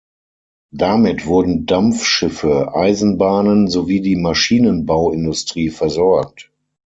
Damit wurden Dampfschiffe, Eisenbahnen sowie die Maschinenbauindustrie versorgt.